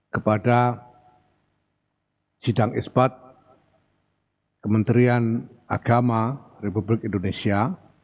kepada sidang isbat kementerian agama republik indonesia